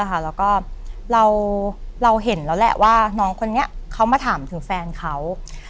แล้วก็เราเห็นแล้วแหละว่าน้องคนนี้เขามาถามถึงแฟนเขา